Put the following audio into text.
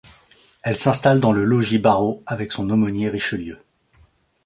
Elle s'installe dans le Logis Barrault avec son aumônier Richelieu.